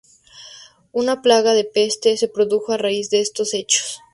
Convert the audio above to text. Una plaga de peste se produjo a raíz de estos hechos.